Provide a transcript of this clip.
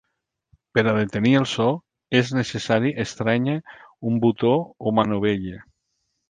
Per a detenir el so, és necessari estrènyer un botó o manovella.